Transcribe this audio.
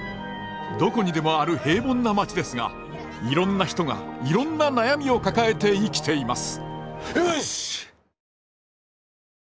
どこにでもある平凡な町ですがいろんな人がいろんな悩みを抱えて生きています。